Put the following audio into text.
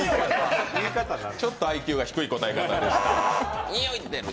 ちょっとＩＱが低い答え方でした。